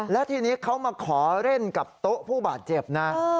แล้วทีนี้เขามาขอเล่นกับโต๊ะผู้บาดเจ็บนะ